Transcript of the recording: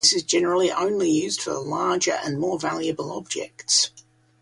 This is generally only used for larger and more valuable objects.